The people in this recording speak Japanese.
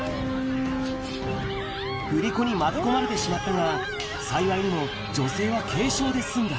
振り子に巻き込まれてしまったが、幸いにも女性は軽傷で済んだ。